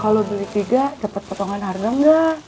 kalau beli tiga cepat potongan harga nggak